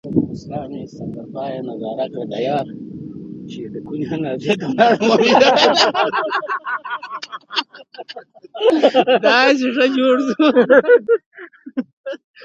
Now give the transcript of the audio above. د تعلیمي موادو د برابرولو مسوولیت د چا دی؟